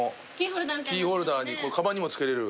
キーホルダーかばんにも付けれる。